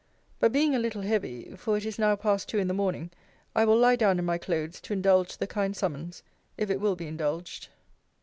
But being a little heavy (for it is now past two in the morning) I will lie down in my clothes, to indulge the kind summons, if it will be indulged.